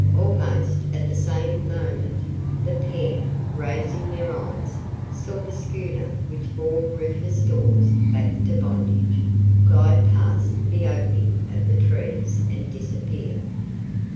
Almost at the same moment, the pair, raising their eyes, saw the schooner which bore Rufus Dawes back to bondage glide past the opening of the trees and disappear.